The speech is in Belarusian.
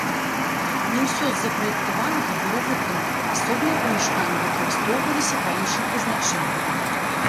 Не ўсё з запраектаванага было выканана, асобныя памяшканні выкарыстоўваліся па іншым прызначэнні.